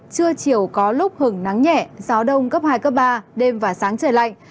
trưa chiều có lúc hứng nắng nhẹ gió đông cấp hai cấp ba đêm và sáng trời lạnh